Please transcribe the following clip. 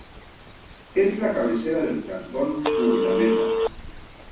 Es la cabecera del cantón Urdaneta.